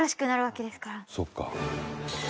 「そっか」